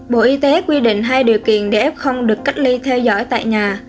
bộ y tế quy định hai điều kiện để f được cách ly theo dõi tại nhà